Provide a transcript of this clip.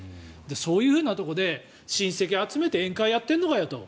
そういうところで親戚を集めて宴会をやってるのかよと。